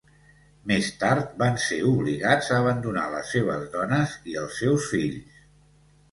Més tard van ser obligats a abandonar les seves dones i els seus fills.